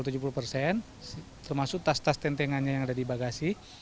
termasuk tas tas tentengannya yang ada di bagasi